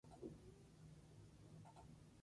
El manuscrito fue examinado por Scholz.